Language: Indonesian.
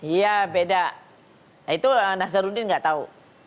iya beda itu nasarudin tidak tahu